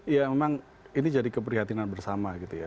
ya memang ini jadi keprihatinan bersama gitu ya